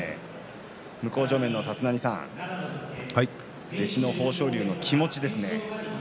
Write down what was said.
向正面の立浪さん弟子の豊昇龍の気持ちですね。